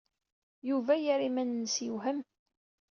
Yuba yerra iman-nnes yewhem.